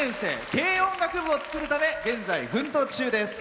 軽音学部を作るため現在、奮闘中です。